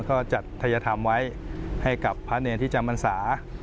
ก็จัดทัยธรรมไว้ให้กับพระเนรที่จำพรรษา